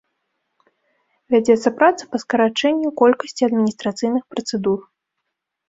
Вядзецца праца па скарачэнню колькасці адміністрацыйных працэдур.